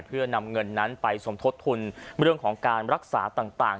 เพื่อนำเงินนั้นไปสมทบทุนเรื่องของการรักษาต่าง